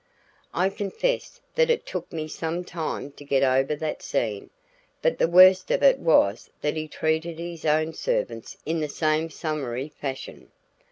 I confess that it took me some time to get over that scene. But the worst of it was that he treated his own servants in the same summary fashion.